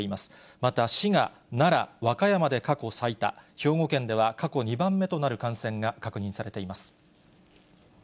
また、滋賀、奈良、和歌山で過去最多、兵庫県では過去２番目となる感染が確認されています。